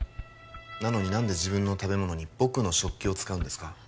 なのに何で自分の食べ物に僕の食器を使うんですか？